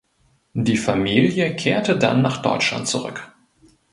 Die Familie kehrte dann nach Deutschland zurück.